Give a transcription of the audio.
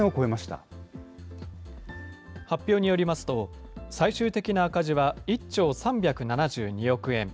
発表によりますと、最終的な赤字は１兆３７２億円。